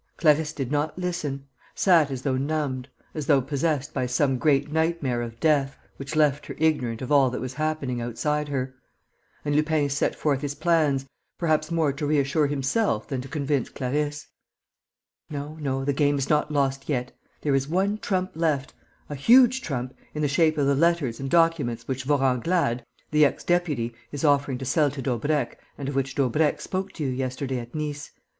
Clarisse did not listen, sat as though numbed, as though possessed by some great nightmare of death, which left her ignorant of all that was happening outside her. And Lupin set forth his plans, perhaps more to reassure himself than to convince Clarisse: "No, no, the game is not lost yet. There is one trump left, a huge trump, in the shape of the letters and documents which Vorenglade, the ex deputy, is offering to sell to Daubrecq and of which Daubrecq spoke to you yesterday at Nice.